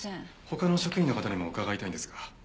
他の職員の方にも伺いたいんですが。